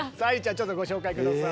ちょっとご紹介下さい。